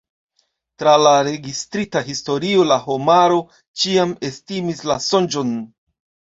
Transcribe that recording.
Tra la registrita historio, la homaro ĉiam estimis la sonĝon.